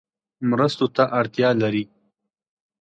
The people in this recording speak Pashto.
مرستو ته اړتیا لري